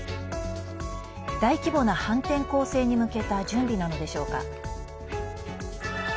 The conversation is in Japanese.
大規模な反転攻勢に向けた準備なのでしょうか。